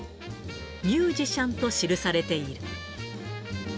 ミュージシャンと記されている。